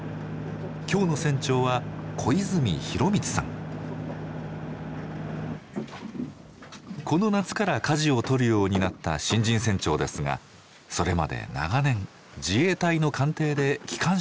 今日の船長はこの夏から舵を取るようになった新人船長ですがそれまで長年自衛隊の艦艇で機関士をしていました。